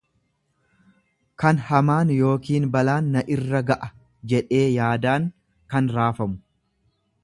kan hamaan yookiin balaan na irra ga'a jedhee yaadaan kan raafamu.